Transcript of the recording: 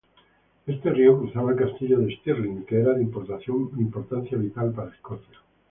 Este río cruzaba el Castillo de Stirling, que era de importancia vital para Escocia.